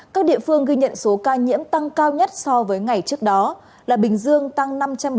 các địa phương ghi nhận số ca nhiễm tăng cao nhất so với ngày trước đó là bình dương tăng năm trăm ba mươi tám